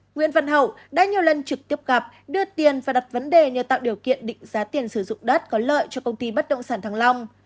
nguyễn văn hậu đã nhiều lần trực tiếp gặp đưa tiền và đặt vấn đề nhờ tạo điều kiện định giá tiền sử dụng đất có lợi cho công ty bất động sản thăng long